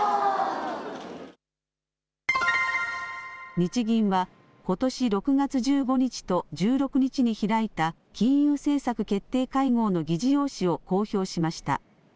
日銀はことし６月１５日と１６日に開いた金融政策決定会合の議事要旨を公表しました。